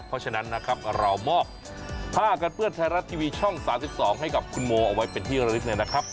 เพราะฉะนั้นนะครับเรามอบผ้ากันเปื้อนไทยรัฐทีวีช่อง๓๒ให้กับคุณโมเอาไว้เป็นที่ระลึกเลยนะครับ